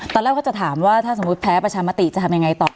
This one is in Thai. ตอนแรกเขาจะถามว่าถ้าสมมุติแพ้ประชามติจะทำยังไงต่อ